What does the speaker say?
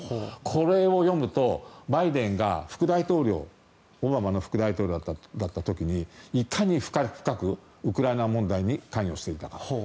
これを読むとバイデンがオバマの副大統領だった時にいかに深くウクライナ問題に関与していたか。